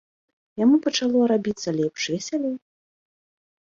Яму пачало рабіцца лепш, весялей.